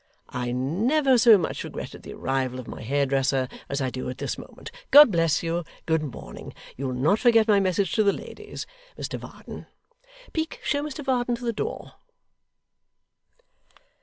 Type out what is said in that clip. I never so much regretted the arrival of my hairdresser as I do at this moment. God bless you! Good morning! You'll not forget my message to the ladies, Mr Varden? Peak, show Mr Varden to the door.